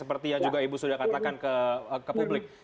seperti yang juga ibu sudah katakan ke publik